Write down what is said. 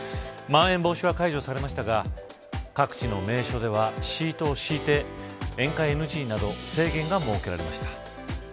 まん延防止は解除されましたが各地の名所ではシートを敷いて、宴会ＮＧなど制限が設けられました。